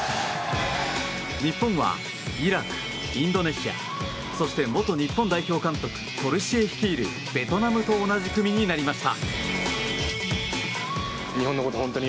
日本はイラク、インドネシアそして元日本代表監督トルシエ率いるベトナムと同じ組になりました。